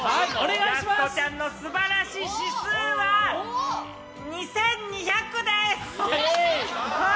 やす子ちゃんのすばら指数は２２００です！